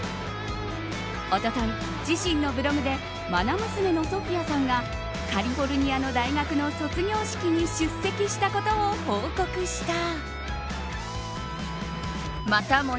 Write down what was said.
一昨日自身のブログで愛娘のソフィアさんがカリフォルニアの大学の卒業式に出席したことを報告した。